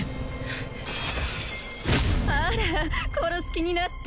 あら殺す気になった？